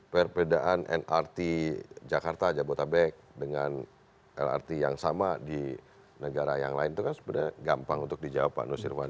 perbedaan mrt jakarta jabotabek dengan lrt yang sama di negara yang lain itu kan sebenarnya gampang untuk dijawab pak nusirwan